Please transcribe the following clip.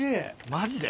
マジで？